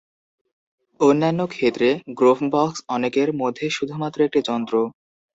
অন্যান্য ক্ষেত্রে, গ্রোভবক্স অনেকের মধ্যে শুধুমাত্র একটি যন্ত্র।